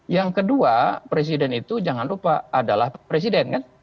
yang kedua presiden itu jangan lupa adalah presiden kan